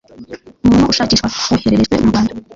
Umuntu ushakishwa woherejwe mu Rwanda